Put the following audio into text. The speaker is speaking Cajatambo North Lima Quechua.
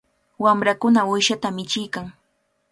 Wamrakuna uyshata michiykan.